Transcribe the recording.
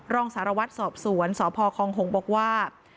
รองสารวัตรสอบสวนสพคองหงษ์บอกว่า